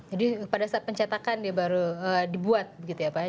jadi pada saat pencetakan dia baru dibuat gitu ya pak